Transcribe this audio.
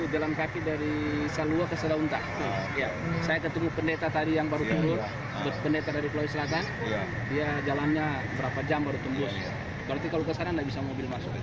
jalannya berapa jam baru tembus berarti kalau kesana tidak bisa mobil masuk